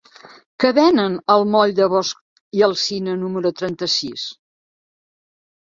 Què venen al moll de Bosch i Alsina número trenta-sis?